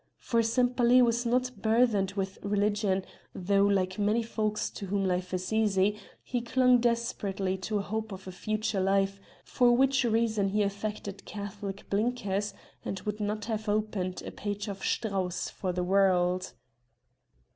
For Sempaly was not burthened with religion, though, like many folks to whom life is easy, he clung desperately to a hope in a future life, for which reason he affected 'Catholic blinkers' and would not have opened a page of Strauss for the world.